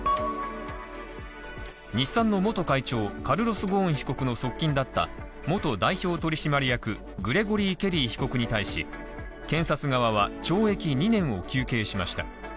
日産の元会長、カルロス・ゴーン被告の側近だった元代表取締役グレゴリー・ケリー被告に対し、検察側は懲役２年を求刑しました。